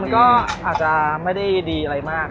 มันก็อาจจะไม่ได้ดีอะไรมาก